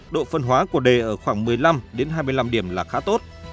độ phân hóa của đề ở khoảng một mươi năm hai mươi năm điểm là khá tốt